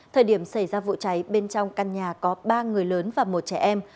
thời điểm xảy ra vụ cháy bên trong căn nhà có ba người lớn và một trẻ em